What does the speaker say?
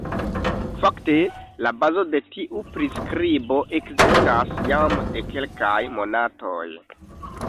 Fakte la bazo de tiu priskribo ekzistas jam de kelkaj monatoj.